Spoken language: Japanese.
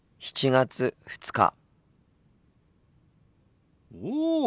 ７月２日。